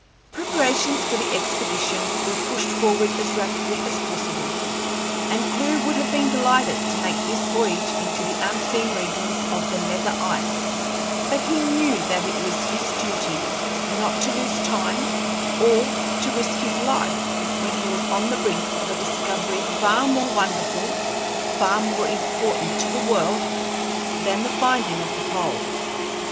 Preparations for the expedition were pushed forward as rapidly as possible, and Clewe would have been delighted to make this voyage into the unseen regions of the nether ice, but he knew that it was his duty not to lose time or to risk his life when he was on the brink of a discovery far more wonderful, far more important to the world, than the finding of the pole.